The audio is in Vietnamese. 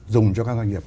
dùng cho các doanh nghiệp